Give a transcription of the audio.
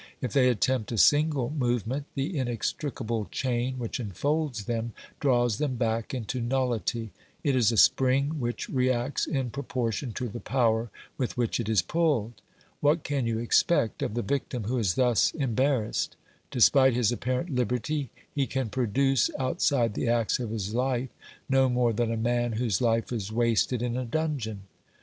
If they attempt a single movement, the inextricable chain which enfolds them draws them back into nuUity ; it is a spring which reacts in proportion to the power with which it is pulled. What can you expect of the victim who is thus embar rassed? Despite his apparent liberty, he can produce, outside the acts of his life, no more than a man whose life is wasted in a dungeon.